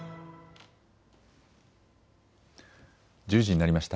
１０時になりました。